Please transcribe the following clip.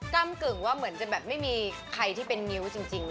้ำกึ่งว่าเหมือนจะแบบไม่มีใครที่เป็นงิ้วจริง